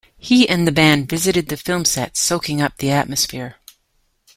He and the band visited the film set, soaking up the atmosphere.